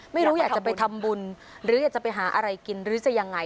ไม่รู้อยากจะไปทำบุญหรืออยากจะไปหาอะไรกินหรือจะยังไง